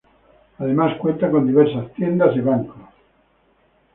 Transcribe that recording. Además, cuenta con diversas tiendas y bancos.